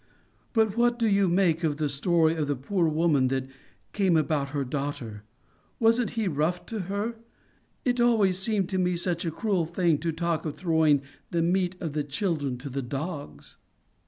But what do you make of the story of the poor woman that came about her daughter? Wasn't he rough to her? It always seemed to me such a cruel thing to talk of throwing the meat of the children to the dogs!"